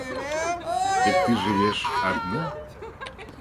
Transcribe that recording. Дык ты жывеш адна?